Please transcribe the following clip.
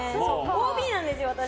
ＯＢなんですよ。